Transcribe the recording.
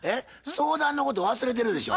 相談のこと忘れてるでしょ？